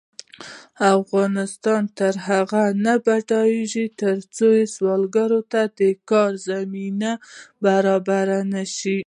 افغانستان تر هغو نه ابادیږي، ترڅو سوالګر ته د کار زمینه برابره نشي.